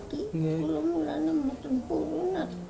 kalau mulanya tidak bisa pulang